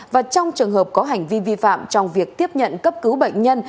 và trong trường hợp có hành vi vi phạm trong việc tiếp nhận cấp cứu bệnh nhân